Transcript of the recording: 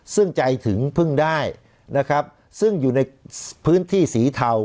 ซึ่งใจถึงพึ่งได้นะครับซึ่งอยู่ในพื้นที่สีเทา